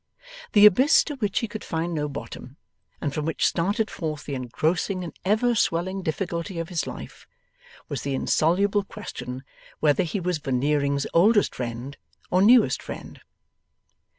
The abyss to which he could find no bottom, and from which started forth the engrossing and ever swelling difficulty of his life, was the insoluble question whether he was Veneering's oldest friend, or newest friend.